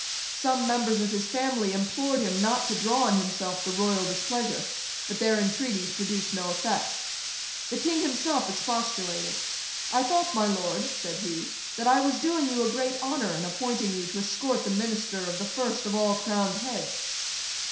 Some members of his family implored him not to draw on himself the royal displeasure: but their intreaties produced no effect. The King himself expostulated. "I thought, my Lord," said he, "that I was doing you a great honour in appointing you to escort the minister of the first of all crowned heads."